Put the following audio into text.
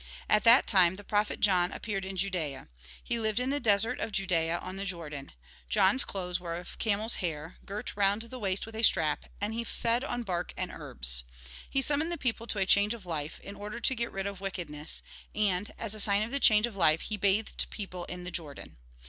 At that time the prophet John appeared in Judaea. He lived in the desert of Judaea, on the Jordan. John's clothes were of camel's hair, girt round the waist with a strap ; and he fed on bark and herbs. He summoned the people to a change of life, in order to get rid of wickedness ; and, as a sign of the change of life, he bathed people in the Jordan.